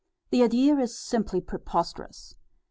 The idea is simply preposterous.